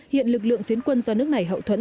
hiện lực lượng phiến quân do nước này hậu thuẫn